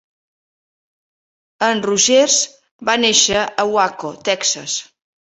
En Rogers va néixer a Waco, Texas.